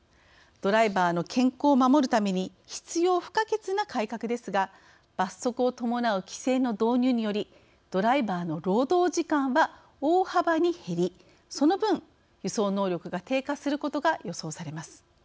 ドライバーの健康を守るために必要不可欠な改革ですが罰則を伴う規制の導入によりドライバーの労働時間は大幅に減り、その分輸送能力が低下することが予想されます。